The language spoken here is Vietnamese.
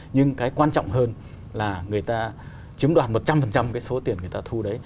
nhưng cái quan trọng hơn là người ta chiếm đoạt một trăm linh cái số tiền người ta thu đấy